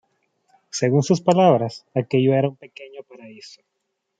Según sus palabras, aquello era un pequeño paraíso.